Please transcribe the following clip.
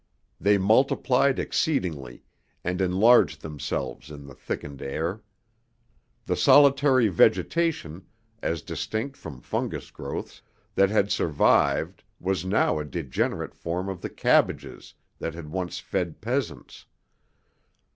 They multiplied exceedingly, and enlarged themselves in the thickened air. The solitary vegetation as distinct from fungus growths that had survived, was now a degenerate form of the cabbages that had once fed peasants.